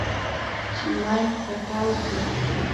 چې ماين پټاو سو.